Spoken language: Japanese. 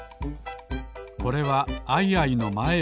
これはアイアイのまえあし。